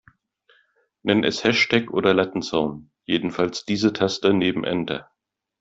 Nenn es Hashtag oder Lattenzaun, jedenfalls diese Taste neben Enter.